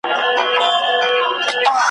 پوښتنه به کوی د زمولېدلو ګلغوټیو `